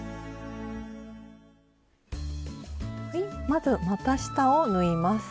まずまた下を縫います。